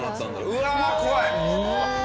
うわあ怖い！